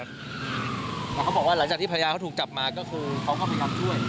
แต่เขาบอกว่าหลังจากที่ภรรยาเขาถูกจับมาก็คือเขาก็พยายามช่วย